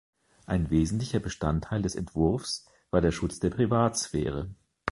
Ein wesentlicher Bestandteil des Entwurfs war der Schutz der Privatsphäre.